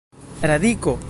radiko